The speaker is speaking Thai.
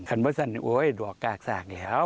พันเมื่อซันอย่างระอกกากสากแล้ว